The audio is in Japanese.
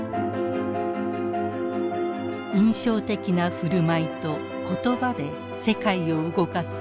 印象的な振る舞いと言葉で世界を動かすソフトパワー。